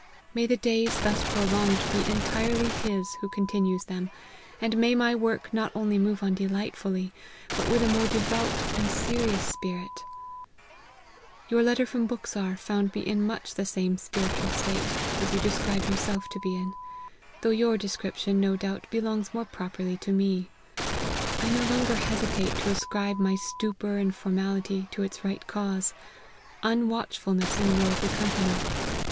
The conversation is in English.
May the days thus prolonged be entirely His who continues them ! and may my work not only move on delightfully, but with a more devout and serious spirit !"" Your letter from Buxar found me in much the same spiritual state, as you describe yourself to be in : though your description, no doubt, belongs more properly to me. I no longer hesitate to ascribe my stupor and formality, to its right cause : unwatchfulness in worldly company.